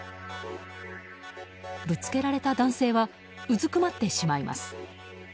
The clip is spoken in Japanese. ぶつけられた男性はうずくまってしまいます。